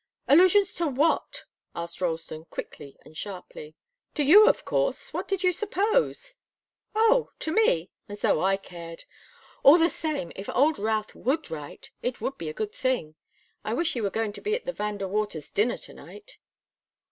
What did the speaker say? "Allusions to what?" asked Ralston, quickly and sharply. "To you, of course what did you suppose?" "Oh to me! As though I cared! All the same, if old Routh would write, it would be a good thing. I wish he were going to be at the Van De Waters' dinner to night."